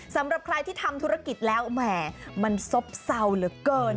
สำหรับใครที่ทำธุรกิจแล้วแหมมันซบเศร้าเหลือเกิน